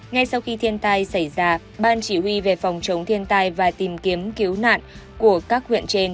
ngay sau khi thiên tai xảy ra ban chỉ huy về phòng chống thiên tai và tìm kiếm cứu nạn của các huyện trên